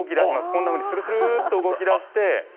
こんなふうにするするっと動きだして。